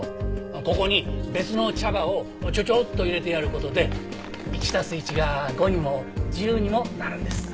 ここに別の茶葉をちょちょっと入れてやる事で１足す１が５にも１０にもなるんです。